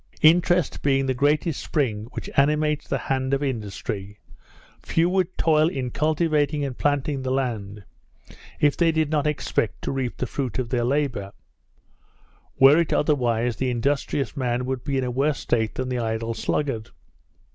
Interest being the greatest spring which animates the hand of industry, few would toil in cultivating and planting the land, if they did not expect to reap the fruit of their labour: Were it otherwise, the industrious man would be in a worse state than the idle sluggard.